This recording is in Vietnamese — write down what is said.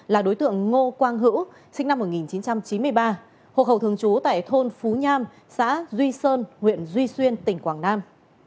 là đối tượng ngô quang hữu sinh năm một nghìn chín trăm chín mươi ba hộ khẩu thường trú tại thôn phú nham xã duy sơn huyện duy xuyên tỉnh quảng nam